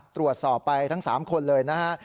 ตรวจสอบไปทั้ง๓คนเลยนะฮะ